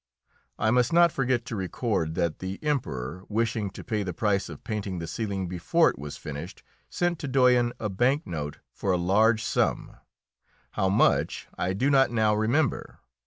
I must not forget to record that the Emperor, wishing to pay the price of painting the ceiling before it was finished, sent to Doyen a bank note for a large sum how much I do not now remember.